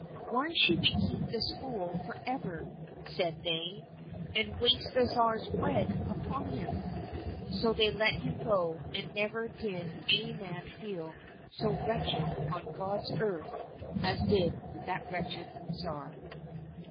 " Why should we keep this fool for ever," said they, " and waste the Tsar's bread upon him ?" So they let him go, and never did any man feel so wretched on God's earth as did that wretched Tsar.